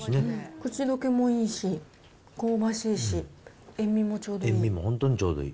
口どけもいいし、香ばしいし、塩味もちょうどいい。